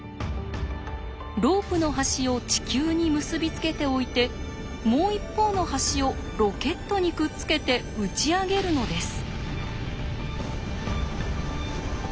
ロープの端を地球に結び付けておいてもう一方の端をロケットにくっつけて打ち上げるのです。